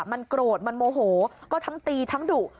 มันโกรธมันโมโหก็ทั้งตีทั้งดุ